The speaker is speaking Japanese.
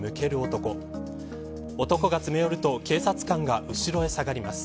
男が詰め寄ると警察官が後ろへ下がります。